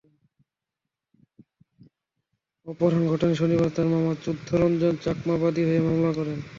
অপহরণ ঘটনায় শনিবার তাঁর মামা বুদ্ধ রঞ্জন চাকমা বাদী হয়ে মামলা করেন।